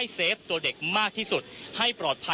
คุณทัศนาควดทองเลยค่ะ